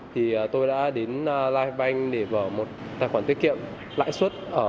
thì tôi đã đến livebank để mở một tài khoản tiết kiệm lãi suất